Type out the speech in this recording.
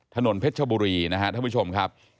ถนนเพชรชบุรีนะครับท่านผู้ชมครับ